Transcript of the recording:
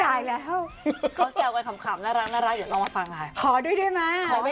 อะไรก็เขาแซวกันขำน่ารักเดี๋ยวลองมะฟังมาขอด้วยด้วยนะ